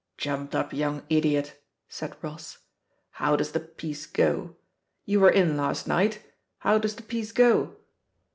"Jimaped up yoimg idiot 1" said Ross. "How floes the piece go — ^you were in last night, how does the piece go?"